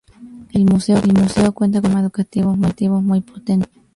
El museo cuenta con un programa educativo muy potente.